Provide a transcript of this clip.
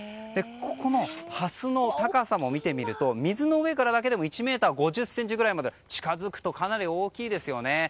ここのハスの高さも見てみると水の上からだけでも１ｍ５０ｃｍぐらいまで近づくとかなり大きいですよね。